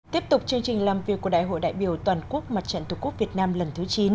tiếp tục chương trình làm việc của đại hội đại biểu toàn quốc mặt trận tổ quốc việt nam lần thứ chín